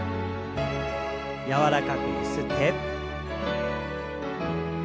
柔らかくゆすって。